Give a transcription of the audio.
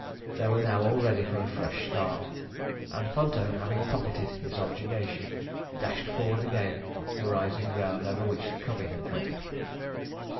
They were now all ready for a fresh start, and Ponto, having pocketed his objurgation, dashed forward again up the rising ground over which the covey had dropped.